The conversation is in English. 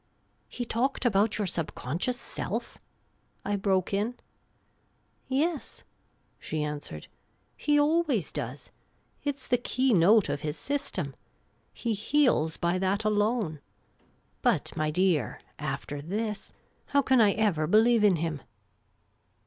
*' He talked about your sub conscious self?" I broke in. " Yes," she answered. '* He always does. It 's the key note of his system. He heals by that alone. But, my dear, after this, how can I ever believe in him